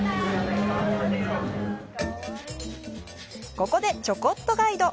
ここで、ちょこっとガイド。